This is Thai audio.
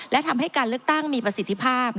และทำให้การเลือกตั้งมีประสิทธิภาพ